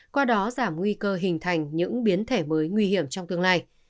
qua đó giảm nguy cơ hình thành những biến thể mới nguy hiểm trong tương lai